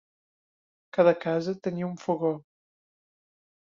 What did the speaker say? Cada casa tenia un fogó.